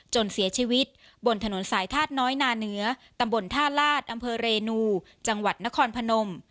เสียชีวิตบนถนนสายธาตุน้อยนาเหนือตำบลท่าลาศอำเภอเรนูจังหวัดนครพนม